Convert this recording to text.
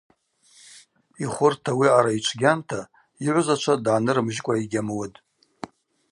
Йхвырта ауи аъара йчвгьанта йыгӏвзачва дгӏанырымжькӏва йгьамуытӏ.